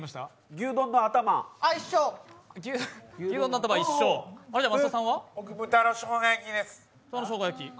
牛丼の頭豚のしょうが焼きです。